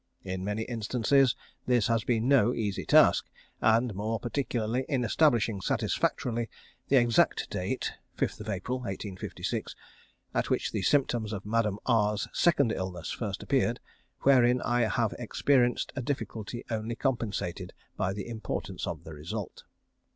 In many instances this has been no easy task, and more particularly in establishing satisfactorily the exact date (5th April, 1856), at which the symptoms of Madame R's second illness first appeared, wherein I have experienced a difficulty only compensated by the importance of the result.